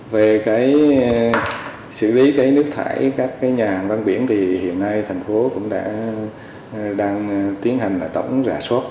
về xử lý nước thải các nhà hàng ven biển thì hiện nay thành phố cũng đang tiến hành tổng rà suất